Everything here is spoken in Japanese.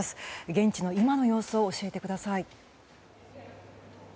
現地の今の様子を教えてください。